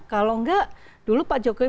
kalau enggak dulu pak jokowi